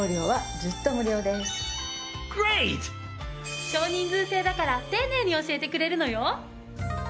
グレート！少人数制だから丁寧に教えてくれるのよ。